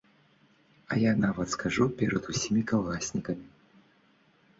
А я нават скажу перад усімі калгаснікамі.